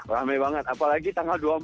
rame banget apalagi tanggal dua puluh empat